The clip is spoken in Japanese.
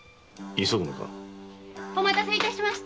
お待たせ致しました。